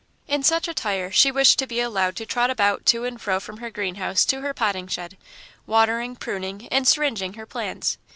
In such attire she wished to be allowed to trot about to and fro from her greenhouse to her potting shed, watering, pruning, and syringing her plants.